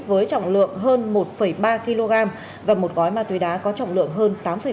với trọng lượng hơn một ba kg và một gói ma túy đá có trọng lượng hơn tám năm